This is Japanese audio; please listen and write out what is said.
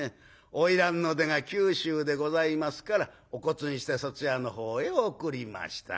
『花魁の出が九州でございますからお骨にしてそちらの方へ送りました』